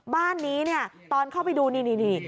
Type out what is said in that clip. บ้านนี้ตอนเข้าไปดูนี่